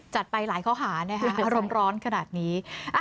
จัดไปหลายข้อหานะคะอารมณ์ร้อนขนาดนี้